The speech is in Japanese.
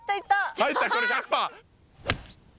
入ったこれ１００％。